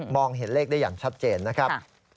เห็นเลขได้อย่างชัดเจนนะครับ